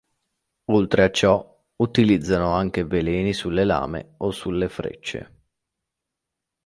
Oltre a ciò, utilizzano anche veleni sulle lame o sulle frecce.